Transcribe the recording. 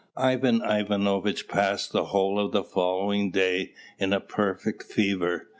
Ivan Ivanovitch passed the whole of the following day in a perfect fever.